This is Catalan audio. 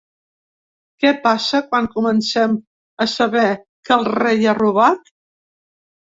Què passa quan comencem a saber que el rei ha robat?